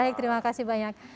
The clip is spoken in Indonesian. baik terima kasih banyak